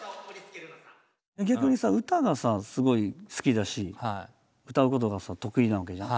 逆にさ歌がさすごい好きだし歌うことが得意なわけじゃん。